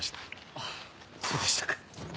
ああそうでしたか。